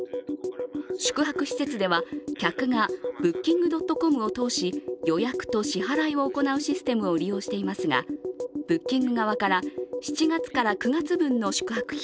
宿泊施設では、客がＢｏｏｋｉｎｇ．ｃｏｍを通し、予約と支払いを行うシステムを利用していますが、Ｂｏｏｋｉｎｇ側から７月から９月分の宿泊費